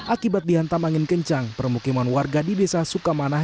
akibat dihantam angin kencang permukiman warga di desa sukamanah